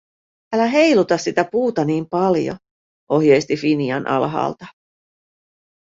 "Älä heiluta sitä puuta nii paljo", ohjeisti Finian alhaalta.